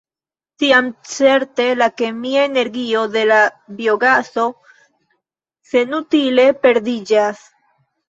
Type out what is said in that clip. Tiam certe la kemia energio de la biogaso senutile perdiĝas.